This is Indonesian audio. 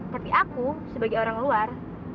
tapi aku sebagai orang luar